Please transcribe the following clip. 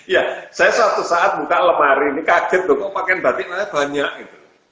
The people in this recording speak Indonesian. ya saya suatu saat buka lemari ini kaget dong kok pakaian batik namanya banyak gitu